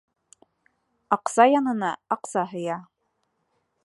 Аҡса янына аҡса һыя.